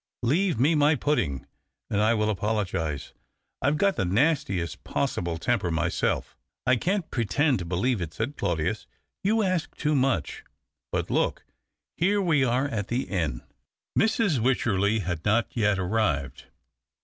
" Leave me my pudding, and I will apologize." " I've got the nastiest possible temper myself." " I can't pretend to believe it," said Claudius. " You ask too much. But look, here we are at the inn !" Mrs. Wycherley had not yet arrived.